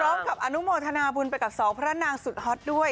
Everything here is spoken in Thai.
พร้อมกับอนุโมธนาบุญไปกับสองพระนางสุดฮอตด้วย